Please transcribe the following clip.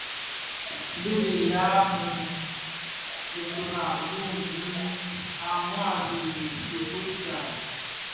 Bi duň yi a lufira, duñzi a mwadingusha,